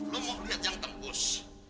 lo mau lihat yang tembus